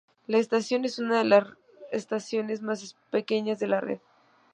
La estación es una de las estaciones más pequeñas de la red.